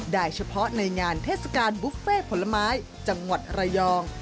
เฉพาะในงานเทศกาลบุฟเฟ่ผลไม้จังหวัดระยอง